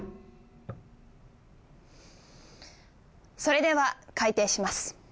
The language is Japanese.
それでは開廷します。